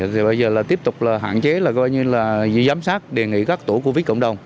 thì bây giờ là tiếp tục là hạn chế là coi như là giám sát đề nghị các tổ covid cộng đồng